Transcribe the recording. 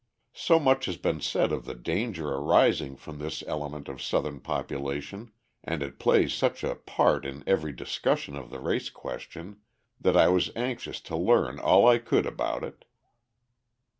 So much has been said of the danger arising from this element of Southern population and it plays such a part in every discussion of the race question that I was anxious to learn all I could about it.